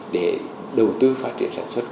để đầu tư phát triển sản xuất